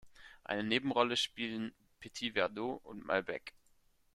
Eine Nebenrolle spielen Petit Verdot und Malbec.